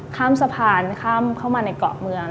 ข้ามสะพานข้ามเข้ามาในเกาะเมือง